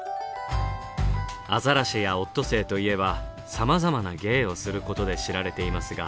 アザラシやオットセイといえばさまざまな芸をすることで知られていますが。